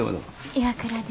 岩倉です。